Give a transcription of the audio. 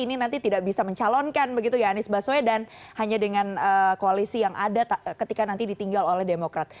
ini nanti tidak bisa mencalonkan begitu ya anies baswedan hanya dengan koalisi yang ada ketika nanti ditinggal oleh demokrat